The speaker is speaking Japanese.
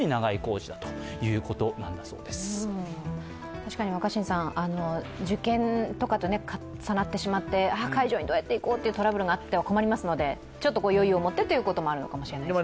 確かに受験とかと重なってしまって、会場にどうやって行こうというトラブルがあっては困りますので、ちょっと余裕を持ってということもあるのかもしれないですね。